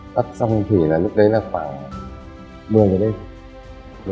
tắt xong thì lúc đấy là khoảng một mươi giờ đêm